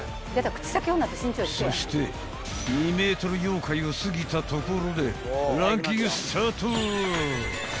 ［そして２ｍ妖怪を過ぎたところでランキングスタート］